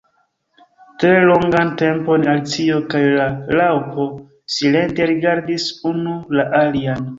Tre longan tempon Alicio kaj la Raŭpo silente rigardis unu la alian.